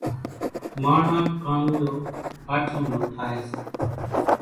ماڻۿان ڪانوڙو آٺم نو ٺاۿي سي،